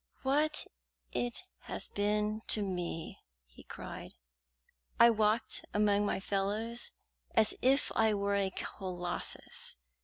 "What it has been to me!" he cried. "I walked among my fellows as if I were a colossus.